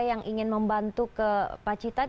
yang ingin membantu ke pacitan